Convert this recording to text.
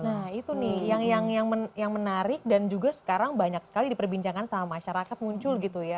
nah itu nih yang menarik dan juga sekarang banyak sekali diperbincangkan sama masyarakat muncul gitu ya